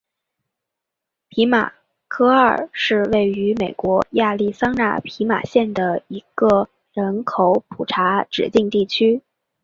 皮马科二是位于美国亚利桑那州皮马县的一个人口普查指定地区。